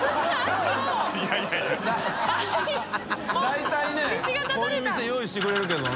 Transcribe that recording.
大体ねこういう店用意してくれるけどね。